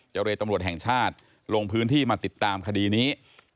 เรตำรวจแห่งชาติลงพื้นที่มาติดตามคดีนี้